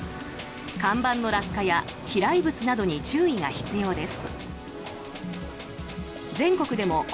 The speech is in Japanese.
看板の落下や飛来物などに注意が必要です。